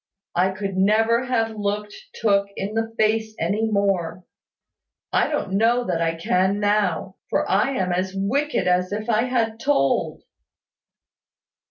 I could never have looked Tooke in the face any more. I don't know that I can now; for I am as wicked as if I had told."